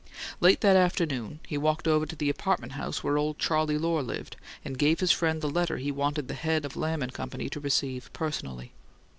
Late that afternoon he walked over to the apartment house where old Charley Lohr lived, and gave his friend the letter he wanted the head of Lamb and Company to receive "personally."